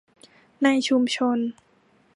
ในชุมชน